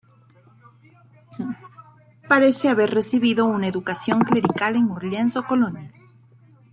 Parece haber recibido una educación clerical en Orleans o Colonia.